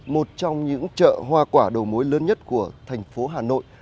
một trong những chợ hoa quả đồ mối lớn nhất của thành phố hà nội